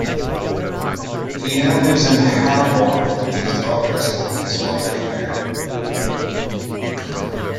He now lives in Harborne with his daughters and his wife Claire.